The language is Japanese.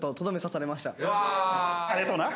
ありがとうな。